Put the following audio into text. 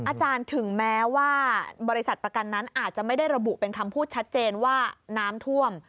ถึงแม้ว่าบริษัทประกันนั้นอาจจะไม่ได้ระบุเป็นคำพูดชัดเจนว่าน้ำท่วม